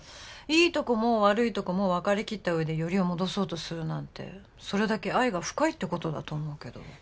いいとこも悪いとこも分かりきった上でよりを戻そうとするなんてそれだけ愛が深いってことだと思うけど。